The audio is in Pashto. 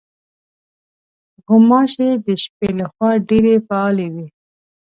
غوماشې د شپې له خوا ډېرې فعالې وي.